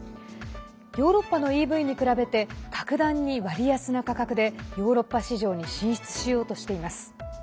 ヨーロッパのＥＶに比べて格段に割安な価格でヨーロッパ市場に進出しようとしています。